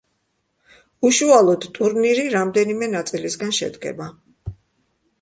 უშუალოდ ტურნირი რამდენიმე ნაწილისგან შედგება.